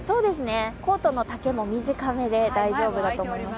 コートの丈も短めで大丈夫だと思います。